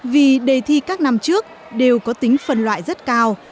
vì đề thi các năm trước đều có tính phân loại rất cao